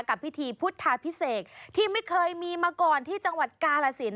กับพิธีพุทธาพิเศษที่ไม่เคยมีมาก่อนที่จังหวัดกาลสิน